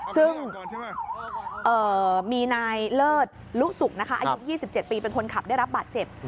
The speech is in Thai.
ซึ่งมีนายเลิศลุสุกนะคะอายุ๒๗ปีเป็นคนขับได้รับบาดเจ็บ